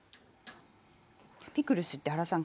ピクルスって原さん